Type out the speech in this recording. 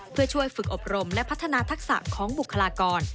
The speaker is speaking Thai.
เพื่อช่วยฝึกอบรมและพัฒนาทักษะของบุคลากร